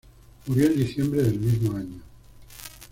Murió en diciembre del mismo año.